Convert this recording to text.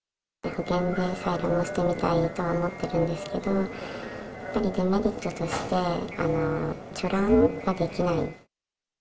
保険で採卵もしてみたいとは思ってるんですけど、やはりデメリットとして、貯卵ができない。